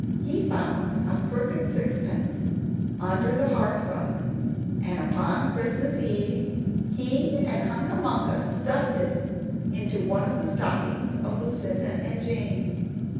He found a crooked sixpence under the hearth rug; and upon Christmas Eve, he and Hunca Munca stuffed it into one of the stockings of Lucinda and Jane.